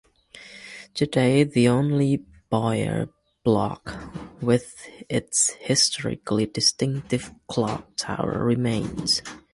Today, only the Bowyer Block with its historically distinctive clock tower remains.